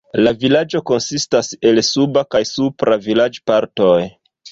La vilaĝo konsistas el suba kaj supra vilaĝpartoj.